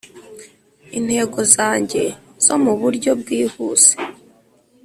Intego Zanjye Zo Mu Buryo Bwihuse